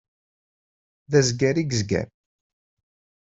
D azgar i yezger.